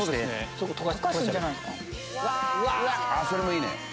それもいいね！